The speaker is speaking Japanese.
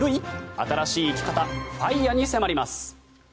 新しい生き方、ＦＩＲＥに迫ります。